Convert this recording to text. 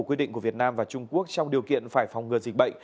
quy định của việt nam và trung quốc trong điều kiện phải phòng ngừa